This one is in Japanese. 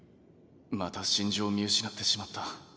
また真珠を見失ってしまった。